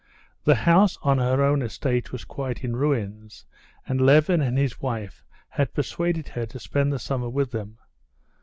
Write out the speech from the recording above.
The house on her own estate was quite in ruins, and Levin and his wife had persuaded her to spend the summer with them.